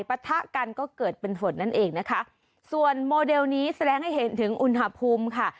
ปะทะกันก็เกิดเป็นฝนนั่นเองนะคะส่วนโมเดลนี้แสดงให้เห็นถึงอุณหภูมิค่ะ